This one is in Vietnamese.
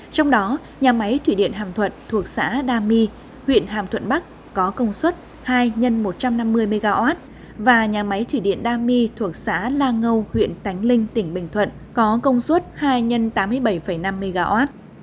trong đó nhà máy thủy điện hàm thuận thuộc xã đa my huyện hàm thuận bắc có công suất hai x một trăm năm mươi mw và nhà máy thủy điện đa my thuộc xã la ngâu huyện tánh linh tỉnh bình thuận có công suất hai x tám mươi bảy năm mw